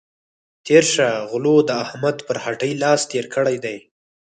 تېره شه غلو د احمد پر هټۍ لاس تېر کړی دی.